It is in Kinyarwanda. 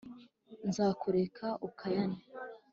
Nzakureka ukayane.